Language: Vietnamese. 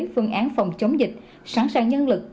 phương án phòng chống dịch sẵn sàng nhân lực